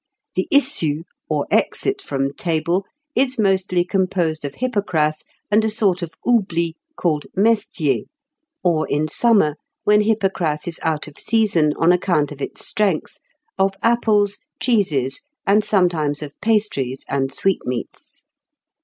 The issue, or exit from table, is mostly composed of hypocras and a sort of oublie called mestier; or, in summer, when hypocras is out of season on account of its strength, of apples, cheeses, and sometimes of pastries and sweetmeats.